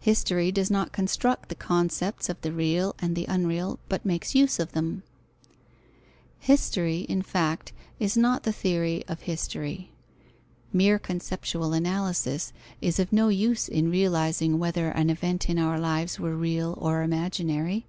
History does not construct the concepts of the real and unreal, but makes use of them. History, in fact, is not the theory of history. Mere conceptual analysis is of no use in realizing whether an event in our lives were real or imaginary.